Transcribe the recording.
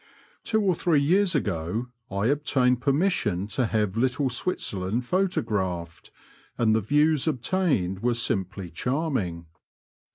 Two or three years ago I obtained permission to have Little Switzerland photographed, and the views obtained were simply charming.